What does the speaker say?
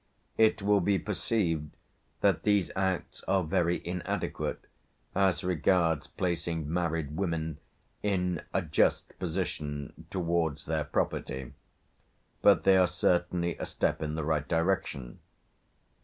It will be perceived that these Acts are very inadequate as regards placing married women in a just position towards their property, but they are certainly a step in the right direction.